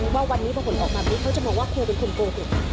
ว่าวันนี้ผลออกมาพี่เขาจะบอกว่าเครียดเป็นคนโปรถุ